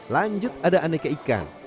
lanjut ada aneka ikan